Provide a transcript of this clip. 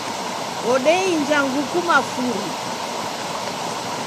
Odeinja nguku mafuri